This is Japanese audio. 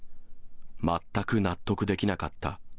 全く納得できなかった。